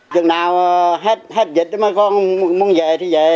chừng nào hết dịch mà con muốn về thì về